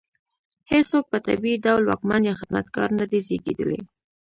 هېڅوک په طبیعي ډول واکمن یا خدمتګار نه دی زېږېدلی.